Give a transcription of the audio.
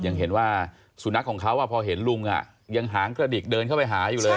ยังเห็นว่าสุนัขของเขาพอเห็นลุงยังหางกระดิกเดินเข้าไปหาอยู่เลย